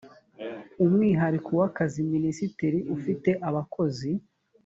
umwihariko w akazi minisitiri ufite abakozi